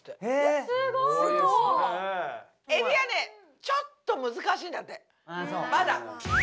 えびはねちょっと難しいんだってまだ。